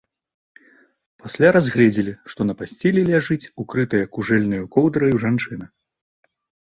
Пасля разгледзелі, што на пасцелі ляжыць укрытая кужэльнаю коўдраю жанчына.